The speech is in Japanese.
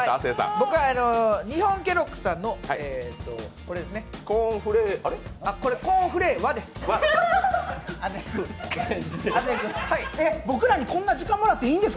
僕は日本ケロッグさんのコーンフレーワです。